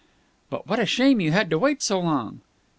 "But what a shame you had to wait so long."